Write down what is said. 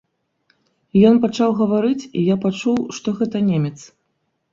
Ён пачаў гаварыць, і я пачуў, што гэта немец.